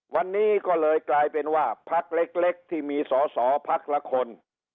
วันนี้ก็เลยกลายเป็นว่าพักเล็กที่มีสอสอพักละคน